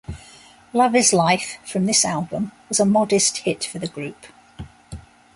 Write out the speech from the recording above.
"Love is Life", from this album, was a modest hit for the group.